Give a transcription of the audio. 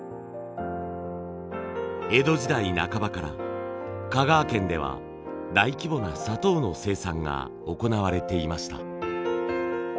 江戸時代半ばから香川県では大規模な砂糖の生産が行われていました。